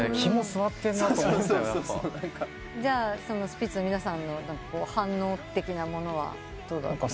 スピッツの皆さんの反応的なものはどうだった？